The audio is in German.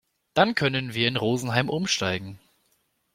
Dann können wir in Rosenheim umsteigen.